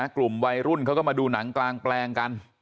กลุ่มวัยรุ่นเขาก็มาดูหนังกลางแปลงกัน